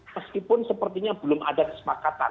meskipun sepertinya belum ada kesepakatan